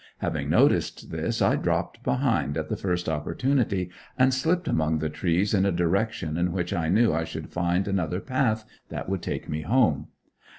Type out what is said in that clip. Having noticed this I dropped behind at the first opportunity and slipped among the trees, in a direction in which I knew I should find another path that would take me home.